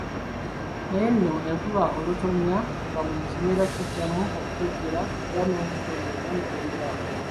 Naye nno enkuba olutonya nga buli kimera kiddamu okutojjera era n'omuddo gwonna ne gumera.